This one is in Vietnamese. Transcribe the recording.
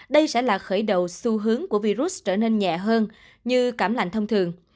đây sẽ là khởi đầu xu hướng của virus trở nên nhẹ hơn như cảm lạnh thông thường